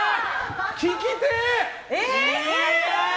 聴きてえ！